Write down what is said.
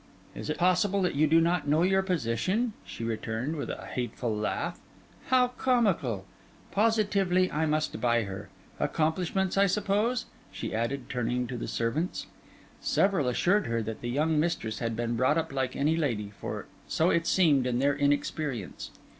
'Is it possible that you do not know your position?' she returned, with a hateful laugh. 'How comical! Positively, I must buy her. Accomplishments, I suppose?' she added, turning to the servants. Several assured her that the young mistress had been brought up like any lady, for so it seemed in their inexperience.